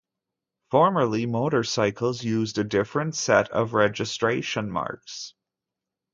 Formerly, motorcycles used a different set of registration marks.